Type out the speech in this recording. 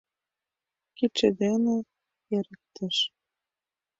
Кидше дене эрыктыш.